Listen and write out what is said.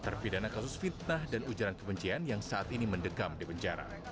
terpidana kasus fitnah dan ujaran kebencian yang saat ini mendekam di penjara